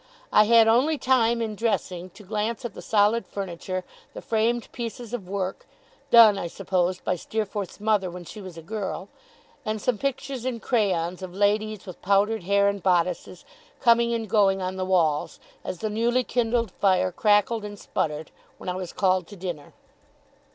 I had only time, in dressing, to glance at the solid furniture, the framed pieces of work (done, I supposed, by Steerforth's mother when she was a girl), and some pictures in crayons of ladies with powdered hair and bodices, coming and going on the walls, as the newly kindled fire crackled and sputtered, when I was called to dinner.